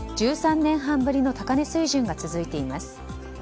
１３年半ぶりの高値水準が続いています。